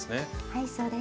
はいそうです。